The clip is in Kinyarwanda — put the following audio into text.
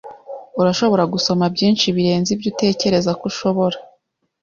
Urashobora gusoma byinshi birenze ibyo utekereza ko ushobora.